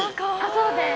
そうです。